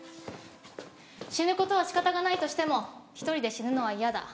死ぬことはしかたがないとしても一人で死ぬのは嫌だ。